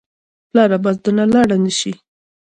پلاره بس درنه لاړ نه شي.